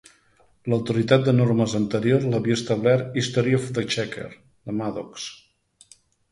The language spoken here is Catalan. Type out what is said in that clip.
L'autoritat de normes anterior l'havia establert "History of the Exchequer" de Madox.